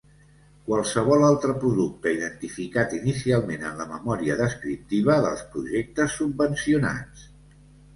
Qualsevol altre producte identificat inicialment en la memòria descriptiva dels projectes subvencionats.